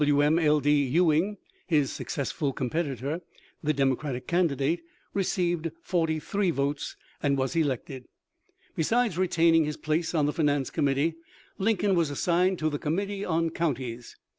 Wm. L. D. Ewing, his successful com petitor, the Democratic candidate, received forty Jhree votes, and was elected. Besides retaining his place on the Finance Committee, Lincoln was assigned to the Committee on Counties.